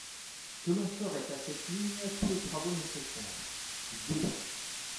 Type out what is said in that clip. que l'on ferait à cette ligne tous les travaux nécessaires ; deux°.